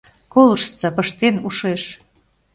Колыштса, пыштен ушеш